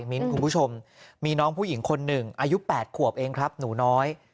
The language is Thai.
มิ้นคุณผู้ชมมีน้องผู้หญิงคนหนึ่งอายุ๘ขวบเองครับหนูน้อย